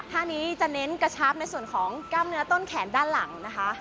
ท่านี้จะเน้นกระชับในส่วนของกล้ามเนื้อต้นแขนด้านหลังนะคะ